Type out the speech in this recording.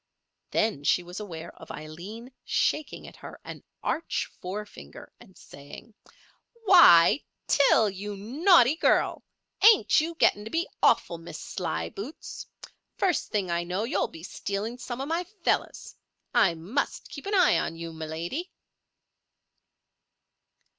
Then she was aware of Aileen shaking at her an arch forefinger, and saying: "Why, Til, you naughty girl! Ain't you getting to be awful, Miss Slyboots! First thing I know you'll be stealing some of my fellows. I must keep an eye on you, my lady."